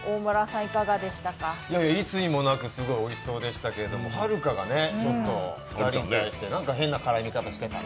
いつにも増しておいしそうでしたけどはるかがちょっと２人に対して、何か変な絡み方してたね。